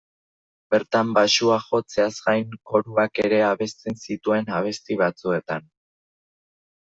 Bertan baxua jotzeaz gain koruak ere abesten zituen abesti batzuetan.